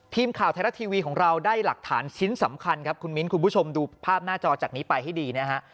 ทีมข่าวไทยรัฐทีวีของเราได้หลักฐานชิ้นสำคัญครับคุณมิ้นคุณผู้ชมดูภาพหน้าจอจากนี้ไปให้ดีนะฮะ